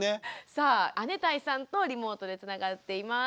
さあ姉帶さんとリモートでつながっています。